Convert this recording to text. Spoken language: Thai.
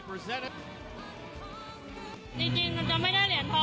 จริงจริงเราจะไม่ได้เหรียญทองเหรียญนี้ถ้าไม่มีความสามารถทีกันในทีมค่ะ